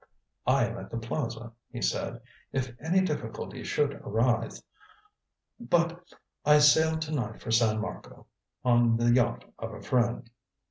"I am at the Plaza," he said, "if any difficulty should arise. But I sail to night for San Marco on the yacht of a friend."